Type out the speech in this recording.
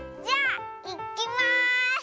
じゃあいきます！